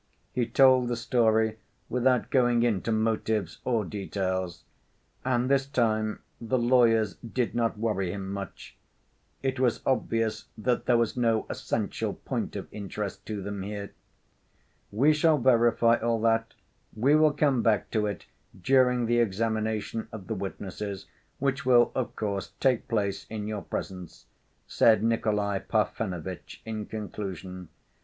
He told the story without going into motives or details. And this time the lawyers did not worry him much. It was obvious that there was no essential point of interest to them here. "We shall verify all that. We will come back to it during the examination of the witnesses, which will, of course, take place in your presence," said Nikolay Parfenovitch in conclusion.